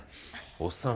おっさん